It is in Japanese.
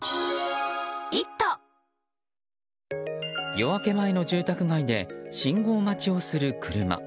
夜明け前の住宅街で信号待ちをする車。